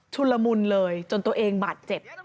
ละมุนเลยจนตัวเองบาดเจ็บ